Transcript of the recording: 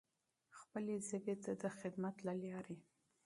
خپلې ژبې ته د خدمت له لارې.